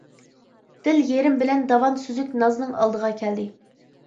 دىل يېرىم بىلەن داۋان سۈزۈك نازنىڭ ئالدىغا كەلدى.